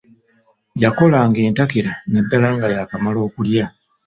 Yakolanga entakera naddala nga yaakamala okulya.